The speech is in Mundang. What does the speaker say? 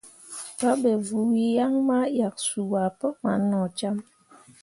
Pabe vuu yaŋ ʼyak suu pǝɓan nocam.